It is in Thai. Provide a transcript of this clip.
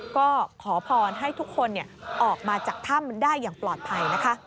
ก็ขอพรให้ทุกคนออกมาจากถ้ำได้อย่างปลอดภัยนะคะ